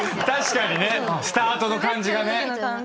確かにねスタートの感じがね。